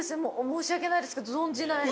申し訳ないですけど存じない。